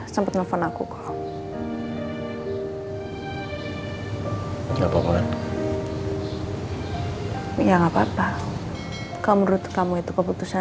sama burung burung pati juga ya